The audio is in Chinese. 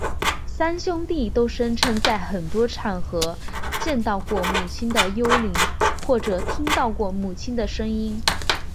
三兄弟都声称在很多场合见到过母亲的幽灵或者听到过母亲的声音。